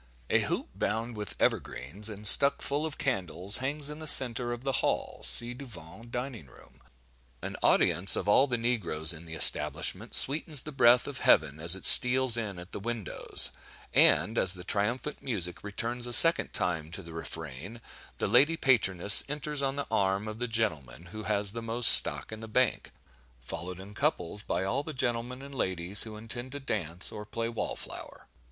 A hoop, bound with evergreens, and stuck full of candles, hangs in the centre of the hall (ci devant dining room); an audience of all the negroes in the establishment sweetens the breath of heaven as it steals in at the windows; and, as the triumphant music returns a second time to the refrain, the lady Patroness enters on the arm of the gentleman who has the most stock in the Bank, followed in couples by all the gentlemen and ladies who intend to dance or play wall flower.